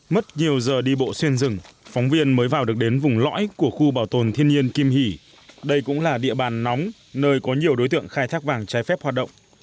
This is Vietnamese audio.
mất nhiều giờ đi bộ xuyên rừng phóng viên mới vào được đến vùng lõi của khu bảo tồn thiên nhiên kim hỷ đây cũng là địa bàn nóng nơi có nhiều đối tượng khai thác vàng trái phép hoạt động